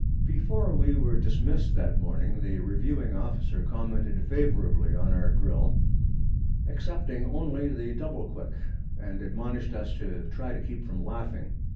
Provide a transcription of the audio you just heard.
Before we were dismissed that morning, the reviewing officer commented favorably on our drill, excepting only the double quick, and admonished us to try to keep from laughing.